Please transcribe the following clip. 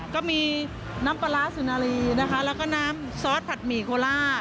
ก็มีน้ำปลาร้าสุนารีนะคะแล้วก็น้ำซอสผัดหมี่โคล่า